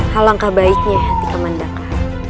halangkah baiknya nanti kamandaka